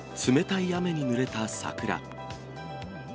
冷たい雨にぬれた桜。